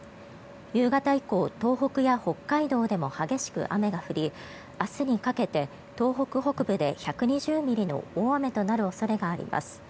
夕方以降東北や北海道でも激しく雨が降り明日にかけて東北北部で１２０ミリの大雨となる恐れがあります。